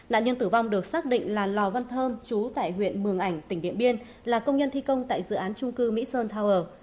nạn nhân tử vong được xác định là lò văn thơm chú tại huyện mường ảnh tỉnh điện biên là công nhân thi công tại dự án trung cư mỹ sơn tower